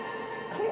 あれ？